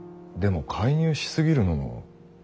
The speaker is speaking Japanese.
でも介入しすぎるのも。